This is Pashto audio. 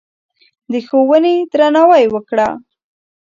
د ښوونې درناوی وکړه.